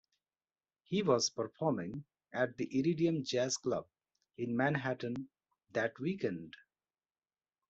He was performing at the Iridium jazz club in Manhattan that weekend.